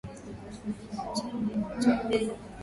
Mahindi yamechemka.